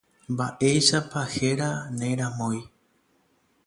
Mba'éichapa héra ne ramói.